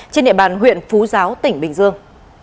trên địa bàn huyện phú giáo tỉnh bình dương